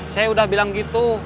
saya udah bilang gitu